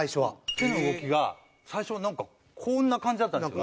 手の動きが最初はなんかこんな感じだったんですよね。